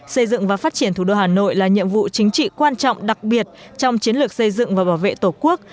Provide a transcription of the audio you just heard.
xây dựng và phát triển thủ đô hà nội là nhiệm vụ chính trị quan trọng đặc biệt trong chiến lược xây dựng và bảo vệ tổ quốc